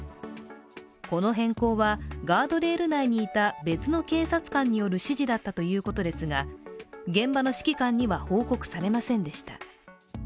この変更はガードレール内にいた別の警察官による指示だったということですが、現場の指揮官には報告されませんでした。